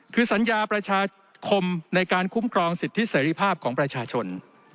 คือสัญญาประชาคมในการคุ้มครองสิทธิเสรีภาพของประชาชน